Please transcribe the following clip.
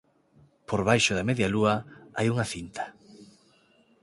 Por baixo da media lúa hai unha cinta.